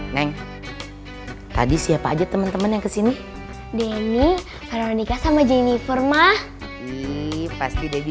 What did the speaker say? neng tadi siapa aja teman temannya kesini denny veronica sama jennifer mah pasti